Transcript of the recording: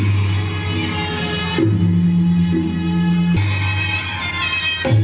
สุดท้ายสุดท้ายสุดท้าย